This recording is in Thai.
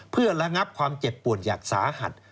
เพื่อระงับความเจ็บปวดอย่างสาหัส